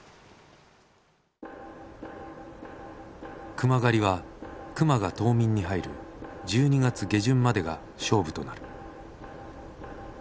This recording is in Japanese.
熊狩りは熊が冬眠に入る１２月下旬までが勝負となる。